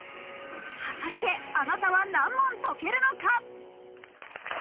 果たして、あなたは何問解けるのか？